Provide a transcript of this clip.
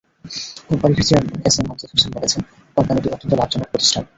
কোম্পানিটির chairman S M Amjad Hossain বলেছেন, কোম্পানিটি অত্যন্ত লাভজনক প্রতিষ্ঠান।